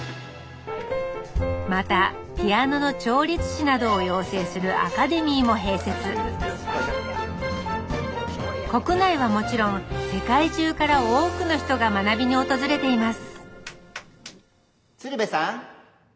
またピアノの調律師などを養成する国内はもちろん世界中から多くの人が学びに訪れています